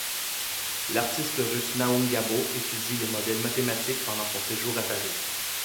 L'artiste russe Naum Gabo étudie les modèles mathématiques pendant son séjour à Paris.